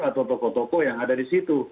atau tokoh tokoh yang ada disitu